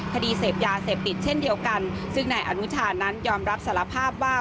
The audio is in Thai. คดีเสพยาเสพติดเช่นเดียวกันซึ่งนายอนุชานั้นยอมรับสารภาพว่า